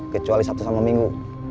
kecuali sabtu sama minggu